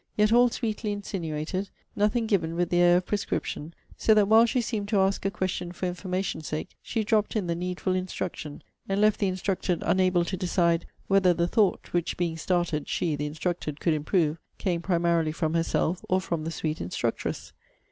Yet all sweetly insinuated; nothing given with the air of prescription; so that while she seemed to ask a question for information sake, she dropt in the needful instruction, and left the instructed unable to decide whether the thought (which being started, she, the instructed, could improve) came primarily from herself, or from the sweet instructress.